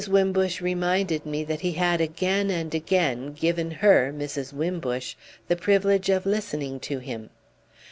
Wimbush reminded me that he had again and again given her, Mrs. Wimbush, the privilege of listening to him.